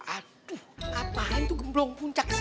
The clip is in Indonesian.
aduh apain tuh gemblong puncak sih